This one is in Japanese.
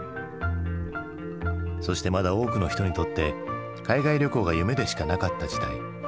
そしてまだ多くの人にとって海外旅行が夢でしかなかった時代。